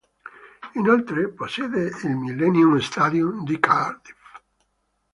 Inoltre possiede il Millennium Stadium di Cardiff.